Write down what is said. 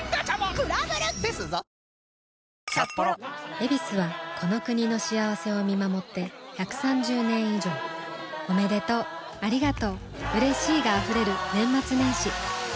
「ヱビス」はこの国の幸せを見守って１３０年以上おめでとうありがとううれしいが溢れる年末年始さあ今年も「ヱビス」で